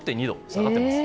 下がっています。